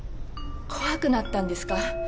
怖くなったんですか？